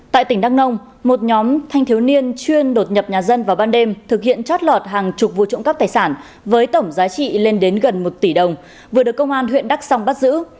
tại tỉnh đắk nông một nhóm thanh thiếu niên chuyên đột nhập nhà dân vào ban đêm thực hiện trót lọt hàng chục vụ trộm cắp tài sản với tổng giá trị lên đến gần một tỷ đồng vừa được công an huyện đắk song bắt giữ